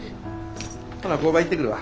ほな工場行ってくるわ。